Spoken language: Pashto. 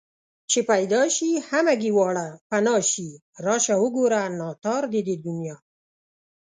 چې پيدا شي همگي واړه پنا شي راشه وگوره ناتار د دې دنيا